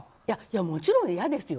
もちろん嫌ですよ。